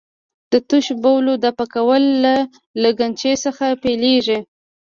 د تشو بولو دفع کول له لګنچې څخه پیلېږي.